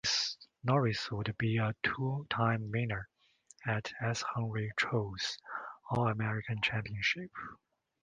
Norris would be a two-time winner at S. Henry Cho's All American Championship.